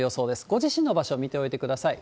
ご自身の場所見ておいてください。